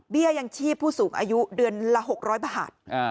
ยังชีพผู้สูงอายุเดือนละ๖๐๐บาท